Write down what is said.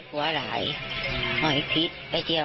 เพราะไม่เคยถามลูกสาวนะว่าไปทำธุรกิจแบบไหนอะไรยังไง